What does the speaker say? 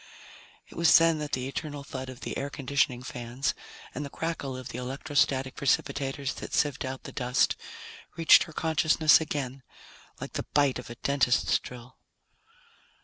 It was then that the eternal thud of the air conditioning fans and the crackle of the electrostatic precipitators that sieved out the dust reached her consciousness again like the bite of a dentist's drill.